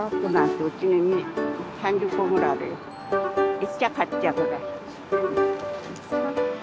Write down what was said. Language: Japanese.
行っちゃ買っちゃうから。